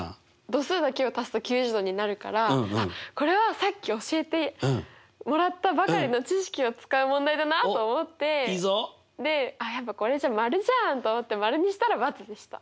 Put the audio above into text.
度数だけを足すと９０°になるからこれはさっき教えてもらったばかりの知識を使う問題だなと思ってでやっぱこれ○じゃんと思って○にしたら×でした。